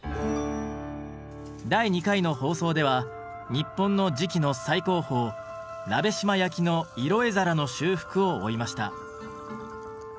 第２回の放送では日本の磁器の最高峰鍋島焼の色絵皿の修復を追いました。